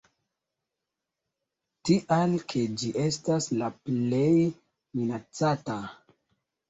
Tial, ke ĝi estas la plej minacata.